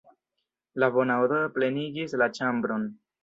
La bona odoro plenigis la ĉambron.